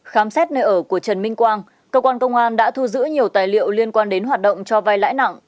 khám xét nơi ở của trần minh quang cơ quan công an đã thu giữ nhiều tài liệu liên quan đến hoạt động cho vai lãi nặng